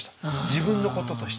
自分のこととして。